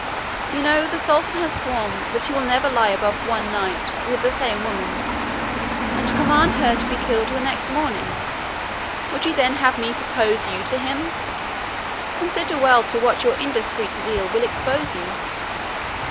You know the sultan has sworn, that he will never lie above one night with the same woman, and to command her to be killed the next morning; would you then have me propose you to him? Consider well to what your indiscreet zeal will expose you."